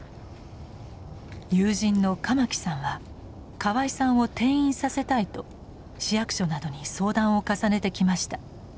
友人の鎌木さんは河合さんを転院させたいと市役所などに相談を重ねてきました。